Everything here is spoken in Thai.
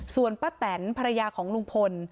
ส่วนป้าแตนภรรยาของลุงพล